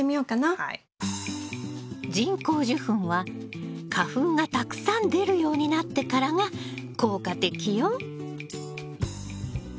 人工授粉は花粉がたくさん出るようになってからが効果的よ。